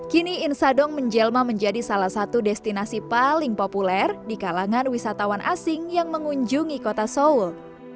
kini insadong menjelma menjadi salah satu destinasi paling populer di kalangan wisatawan asing yang mengunjungi kota seoul